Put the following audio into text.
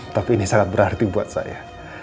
tapi ini sangat berarti buat saya